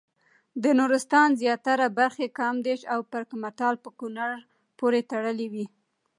د نورستان زیاتره برخې کامدېش او برګمټال په کونړ پورې تړلې وې.